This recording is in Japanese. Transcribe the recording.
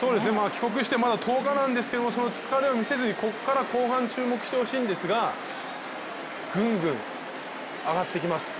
帰国して１０日なんですけども、全く疲れを見せずにここから後半注目してほしいんですが、ぐんぐん上がってきます。